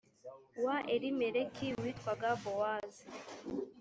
wa elimeleki witwaga bowazi